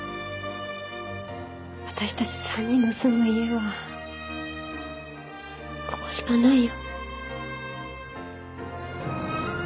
私たち三人の住む家はここしかないよ。